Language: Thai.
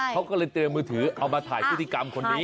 เขาก็เลยเตรียมมือถือเอามาถ่ายพฤติกรรมคนนี้